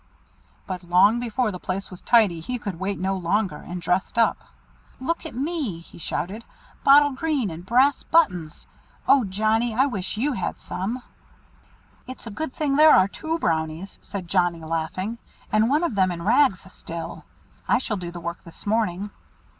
But long before the place was tidy, he could wait no longer, and dressed up. "Look at me!" he shouted; "bottle green and brass buttons! Oh, Johnnie, I wish you had some." "It's a good thing there are two Brownies," said Johnnie, laughing, "and one of them in rags still. I shall do the work this morning."